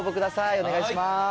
お願いします。